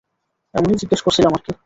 এমনিই জিজ্ঞেস করলাম আর কী।